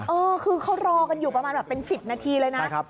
แบบเขารออยู่คือประมาณ๑๐นาทีเลยนะ